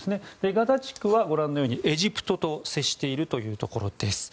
ガザ地区はご覧のようにエジプトと接しているところです。